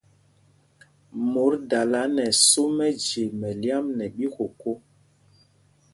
Mot dala nɛ ɛsō mɛje mɛlyam nɛ ɓíkokō.